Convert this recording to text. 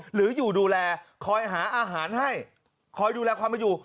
หรืออยู่ดูแลคอยหาอาหารให้คอยดูแลความเป็นอยู่